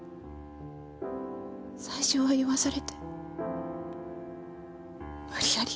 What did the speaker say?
最初は酔わされて無理やり。